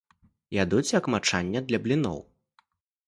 Ядуць як мачанне для бліноў.